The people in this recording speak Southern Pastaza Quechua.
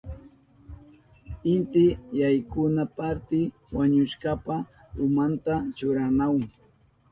Inti yaykuna parti wañushkapa umanta churanahun.